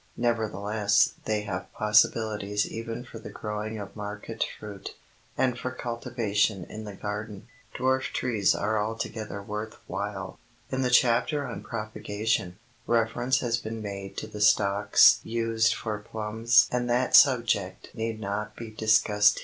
Nevertheless they have possibilities even for the growing of market fruit, and for cultivation in the garden, dwarf trees are altogether worth while. In the chapter on propagation, reference has been made to the stocks used for plums and that subject need not be discussed here. [Illustration: FIG.